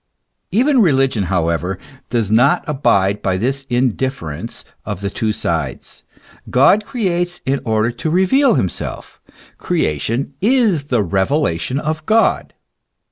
Even religion, however, does not abide by this indifference of the two sides. God creates in order to reveal himself: creation is the revelation of God.